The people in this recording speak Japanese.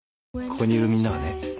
ここにいるみんなはね